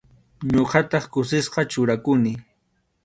Ñuqataq kusisqa churakuni.